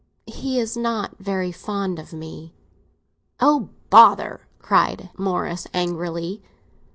"He is not very fond of me!" "Oh, bother!" cried Morris angrily.